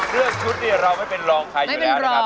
เรื่องชุดเนี่ยเราไม่เป็นรองใครอยู่แล้วนะครับ